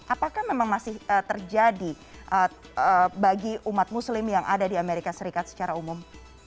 apakah memang masih terjadi bagi umat muslim yang ada di amerika serikat secara umum